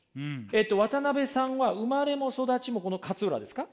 えっと渡辺さんは生まれも育ちもこの勝浦ですか？